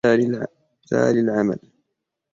جاري العمل.